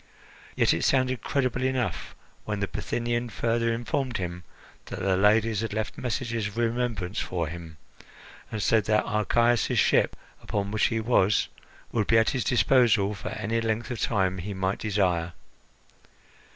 Yet it sounded credible enough when the Bithynian further informed him that the ladies had left messages of remembrance for him, and said that Archias's ship, upon which he was, would be at his disposal for any length of time he might desire.